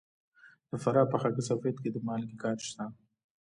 د فراه په خاک سفید کې د مالګې کان شته.